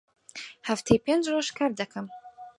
هەفتەی پێنج ڕۆژ کار دەکەم.